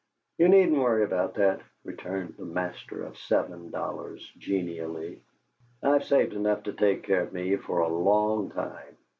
"You needn't worry about that," returned the master of seven dollars, genially. "I've saved enough to take care of me for a LONG time."